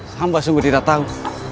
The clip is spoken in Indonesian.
sambah sungguh tidak tahu